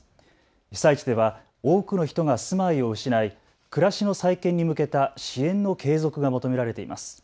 被災地では多くの人が住まいを失い暮らしの再建に向けた支援の継続が求められています。